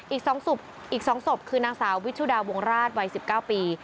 อีก๒ศพคือนางสาววิชุดาวงราชวัย๑๙ปี